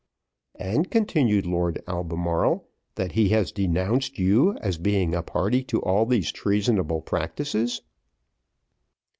'" "And," continued Lord Albemarle, "that he has denounced you as being a party to all these treasonable practices."